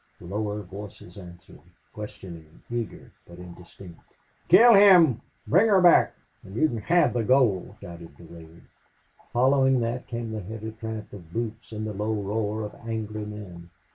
Lower voices answered, questioning, eager, but indistinct. "Kill him bring her back and you can have the gold," shouted Durade. Following that came the heavy tramp of boots and the low roar of angry men.